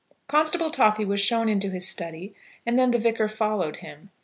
Constable Toffy was shown into his study, and then the Vicar followed him.